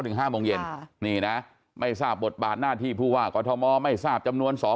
ห้าโมงเย็นค่ะนี่นะไม่ทราบบทบาทหน้าที่ผู้ว่ากอทมไม่ทราบจำนวนสอ